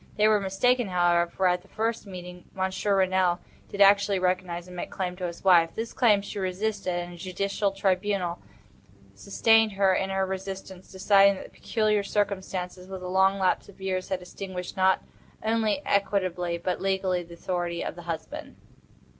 They were mistaken, however, for, at the first meeting, Monsieur Renelle did actually recognize and make claim to his wife. This claim she resisted, and a judicial tribunal sustained her in her resistance, deciding that the peculiar circumstances, with the long lapse of years, had extinguished, not only equitably, but legally, the authority of the husband.